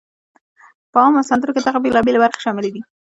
په عامو سندرو کې دغه بېلابېلی برخې شاملې دي: